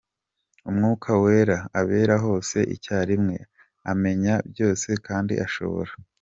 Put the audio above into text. Umwuka Wera, abera hose icyarimwe, amenya byose kandi ashobora.